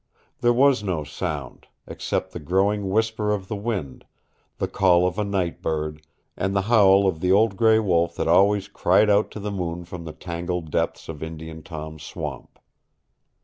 There was no sound, except the growing whisper of the wind, the call of a night bird, and the howl of the old gray wolf that always cried out to the moon from the tangled depths of Indian Tom's swamp.